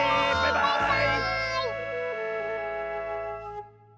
バイバーイ！